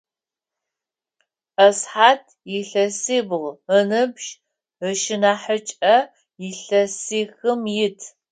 Асхьад илъэсибгъу ыныбжь, ышнахьыкӏэ илъэсихым ит.